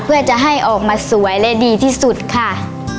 เพื่อจะให้ออกมาสวยและดีที่สุดค่ะ